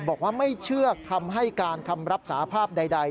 บอกว่าไม่เชื่อคำให้การคำรับสาภาพใด